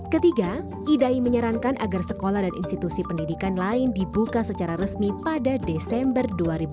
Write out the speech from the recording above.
ketiga idai menyarankan agar sekolah dan institusi pendidikan lain dibuka secara resmi pada desember dua ribu dua puluh